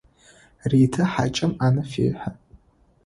Ритэ хьакӏэм ӏанэ фехьы.